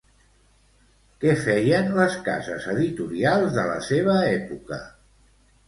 Què feien les cases editorials de la seva època?